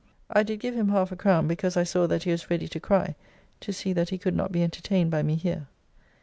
I did give him half a crown because I saw that he was ready to cry to see that he could not be entertained by me here.